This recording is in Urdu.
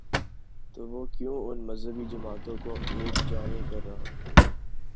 تو وہ کیوں ان مذہبی جماعتوں کو یک جا نہیں کر رہا؟